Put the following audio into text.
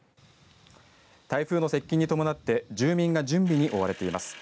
台風の接近に伴って住民が準備に追われています。